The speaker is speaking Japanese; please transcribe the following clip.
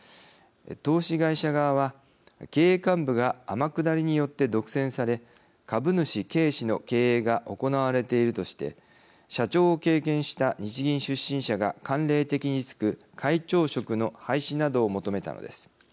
投資会社側は、経営幹部が天下りによって独占され株主軽視の経営が行われているとして、社長を経験した日銀出身者が慣例的に就く会長職の廃止などを求めたのです。